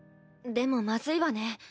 でもまずいわね。